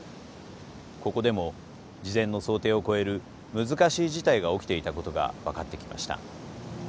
ここでも事前の想定を超える難しい事態が起きていたことが分かってきました。